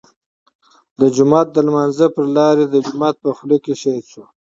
د جماعت د لمانځه پر لار د جومات په خوله کې شهيد شو.